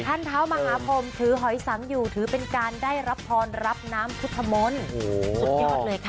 ท่านเท้ามหาพรมถือหอยสังอยู่ถือเป็นการได้รับพรรับน้ำพุทธมนต์สุดยอดเลยค่ะ